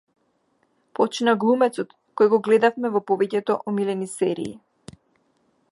Почина глумецот кој го гледавме во повеќето омилени серии